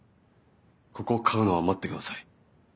ここを買うのは待ってください。